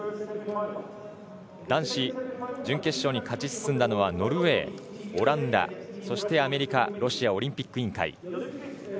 男子準決勝に勝ち進んだのはノルウェー、オランダそして、アメリカロシアオリンピック委員会。